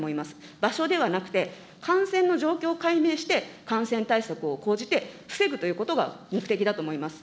場所ではなくて、感染の状況を解明して、感染対策を講じて防ぐということが目的だと思います。